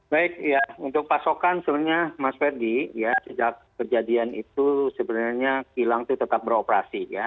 baik ya untuk pasokan sebenarnya mas ferdi ya sejak kejadian itu sebenarnya kilang itu tetap beroperasi ya